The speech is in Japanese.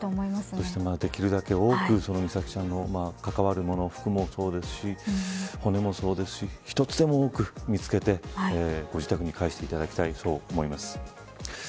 そして、できるだけ多く美咲さんに関わるもの服もそうですし、骨もそうですし一つでも多く見つけてご自宅に帰していただきたいそう思います。